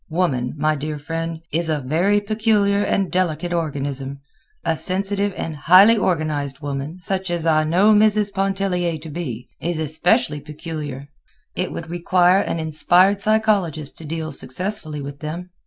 Woman, my dear friend, is a very peculiar and delicate organism—a sensitive and highly organized woman, such as I know Mrs. Pontellier to be, is especially peculiar. It would require an inspired psychologist to deal successfully with them.